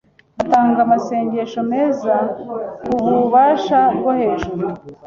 Atanga amasengesho meza kububasha bwo hejuru